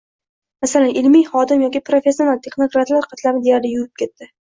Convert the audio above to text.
Masalan, ilmiy hodim yoki professional texnokratlar qatlami deyarli yuvib ketildi.